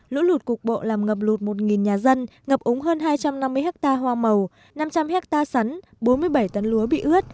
lũ lụt cục bộ làm ngập lụt một nhà dân ngập úng hơn hai trăm năm mươi ha hoa màu năm trăm linh hectare sắn bốn mươi bảy tấn lúa bị ướt